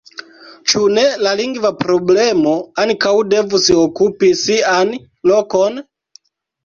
Ĉu ne la lingva problemo ankaŭ devus okupi sian lokon?